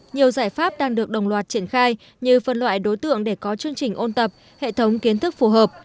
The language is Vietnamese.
nhiều giải pháp đang được đồng loạt triển khai như phân loại đối tượng để có chương trình ôn tập hệ thống kiến thức phù hợp